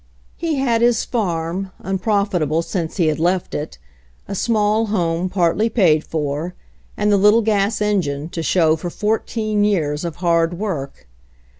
He had his farm, unprofitable since he had left it, a small home partly paid for, and the little gas engine, to show for fourteen years of hard work.